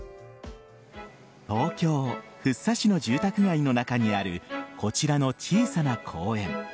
東京・福生市の住宅街の中にあるこちらの小さな公園。